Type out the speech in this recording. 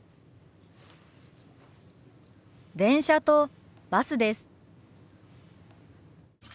電車とバスです。